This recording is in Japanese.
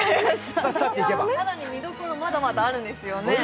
更に見どころ、まだまだあるんですよね。